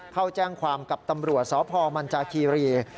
เข้าแจ้งความกับตำรวจสพมันจาคีรี